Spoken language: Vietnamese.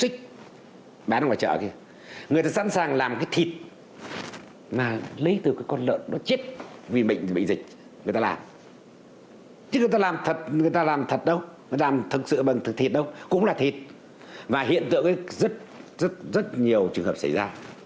có một trường hợp xảy ra